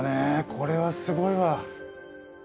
これはすごいわ。